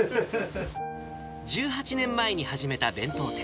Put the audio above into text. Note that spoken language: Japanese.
１８年前に始めた弁当店。